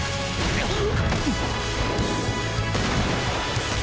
あっ。